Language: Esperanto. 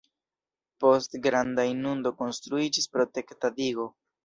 Post granda inundo konstruiĝis protekta digo.